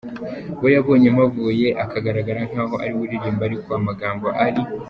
we yabonye mpavuye akagaragara nkaho ari we uririmba ariko amagambo ari.